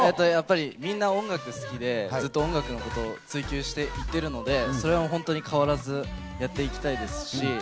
みんな音楽が好きで、ずっと音楽のことを追求していっているのでそれは変わらずやってきたいですし。